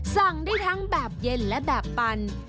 สั่งได้ทั้งแบบเย็นและแบบปัน